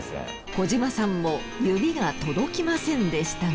小島さんも指が届きませんでしたが。